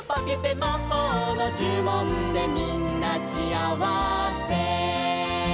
「まほうのじゅもんでみんなしあわせ」